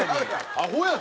アホやん。